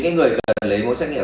những người cần lấy mẫu xét nghiệm